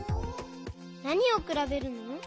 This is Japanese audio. なにをくらべるの？